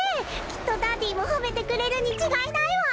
きっとダディもほめてくれるにちがいないわ。